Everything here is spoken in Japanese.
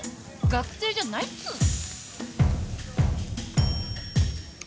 学生じゃないっつうの。